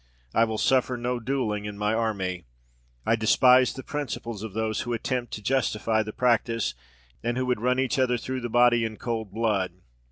"I will suffer no duelling in my army. I despise the principles of those who attempt to justify the practice, and who would run each other through the body in cold blood.